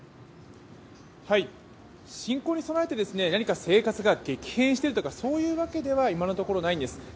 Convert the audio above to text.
侵攻に備えて何か生活が激変しているとかそういうわけでは今のところないんです。